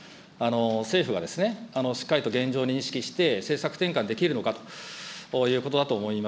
政府がしっかりと現状を認識して、政策転換できるのかということだと思います。